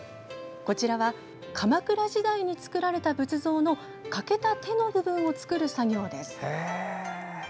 こちらは鎌倉時代に作られた仏像の欠けた手の部分を作る作業です。